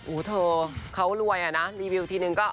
โอ้โธ่เขารวยนะรีวิวทีหนึ่งก็